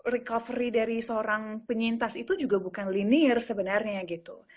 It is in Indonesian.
recovery dari seorang penyintas itu juga bukan linier sebenarnya gitu